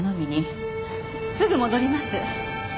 すぐ戻ります。